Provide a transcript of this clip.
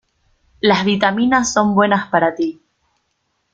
Las vitaminas son buenas para tí.